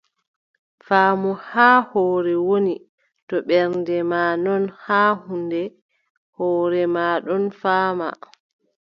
Faamu haa hoore woni, to ɓernde maa non haa huunde, hoore maa non faama.